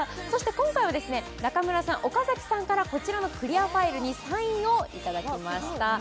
そして今回は中村さん、岡崎さんから、こちらのクリアファイルにサインをいただきました。